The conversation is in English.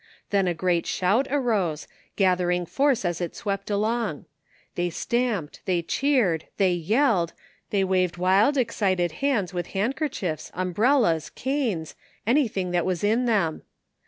Then a great shout arose, gathering force as it swept along. They stamped, they cheered, they yelled, they waved wild, excited hands with hand kerchiefs, umbrellas, canes, anything that was in them.